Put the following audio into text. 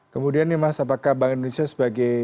kemudian nih mas apakah bank indonesia sebagai